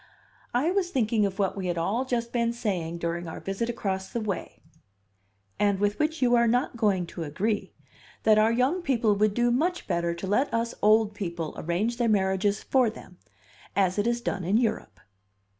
"I was thinking of what we had all just been saying during our visit across the way and with which you are not going to agree that our young people would do much better to let us old people arrange their marriages for them, as it Is done in Europe."